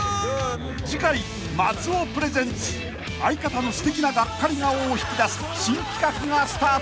［次回松尾プレゼンツ相方のすてきながっかり顔を引き出す新企画がスタート］